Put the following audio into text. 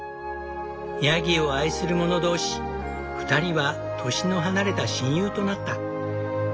ヤギを愛する者同士２人は年の離れた親友となった。